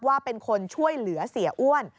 ว่าเป็นคนช่วยเหลือเสียอ้วน